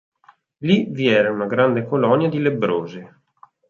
Lì vi era una grande colonia di lebbrosi.